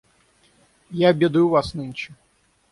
Я обедаю у вас нынче.